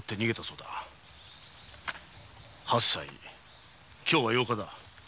八歳今日は八日だ。